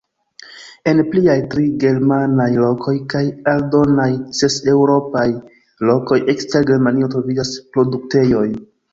En pliaj tri germanaj lokoj kaj aldonaj ses eŭropaj lokoj ekster Germanio troviĝas produktejoj.